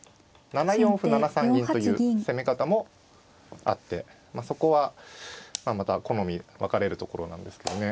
７四歩７三銀という攻め方もあってまあそこはまた好み分かれるところなんですけどね。